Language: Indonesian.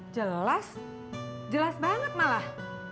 jelas jelas banget malah